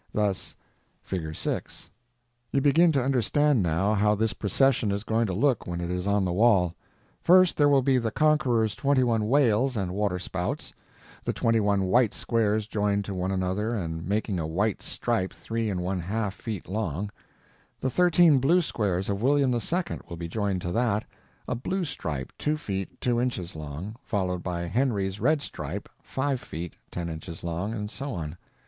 Thus: (Fig. 6). You begin to understand now how this procession is going to look when it is on the wall. First there will be the Conqueror's twenty one whales and water spouts, the twenty one white squares joined to one another and making a white stripe three and one half feet long; the thirteen blue squares of William II. will be joined to that—a blue stripe two feet, two inches long, followed by Henry's red stripe five feet, ten inches long, and so on.